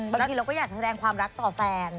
บางทีเราก็อยากจะแสดงความรักต่อแฟน